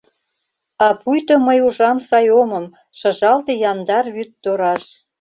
А пуйто мый ужам сай омым — Шыжалте яндар вӱд тораш.